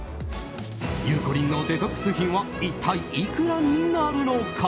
ゆうこりんのデトックス品は一体いくらになるのか。